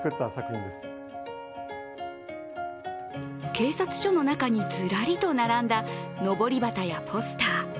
警察署の中にずらりと並んだのぼり旗やポスター。